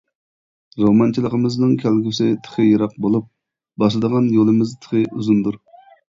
رومانچىلىقىمىزنىڭ كەلگۈسى تېخى يىراق بولۇپ، باسىدىغان يولىمىز تېخى ئۇزۇندۇر.